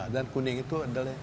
dan kuning itu adalah